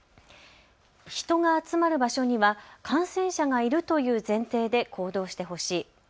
人が集まる場所には感染者がいるという前提で行動してほしい。